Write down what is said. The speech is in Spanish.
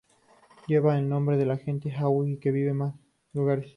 Lleva el nombre de la gente Hui que vive en más lugares.